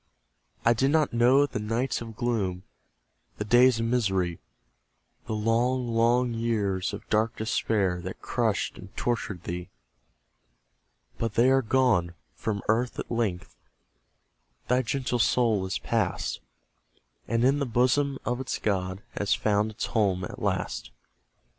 I did not know the nights of gloom, The days of misery; The long, long years of dark despair, That crushed and tortured thee. But they are gone; from earth at length Thy gentle soul is pass'd, And in the bosom of its God Has found its home at last.